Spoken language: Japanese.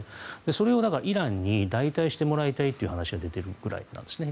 それをイランに代替してもらいたいという話が出てるくらいなんですね。